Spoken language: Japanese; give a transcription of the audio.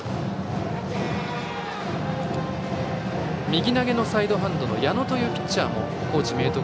右投げのサイドハンド矢野というピッチャーも高知・明徳